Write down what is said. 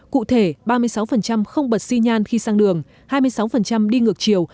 cụ thể ba mươi sáu không bật xi nhan khi sang đường hai mươi sáu đi ngược chiều